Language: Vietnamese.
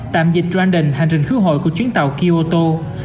tạm dịch randon hành rình khứa hội của chuyến tàu kyoto